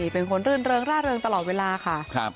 เป็นคนรื่นเริงร่าเริงตลอดเวลาค่ะ